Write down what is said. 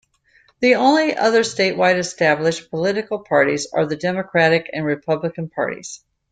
The only other statewide established political parties are the Democratic and Republican parties.